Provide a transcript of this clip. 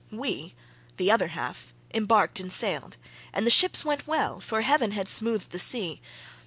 We—the other half—embarked and sailed; and the ships went well, for heaven had smoothed the sea.